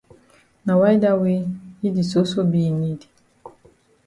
Na why dat wey yi di soso be in need.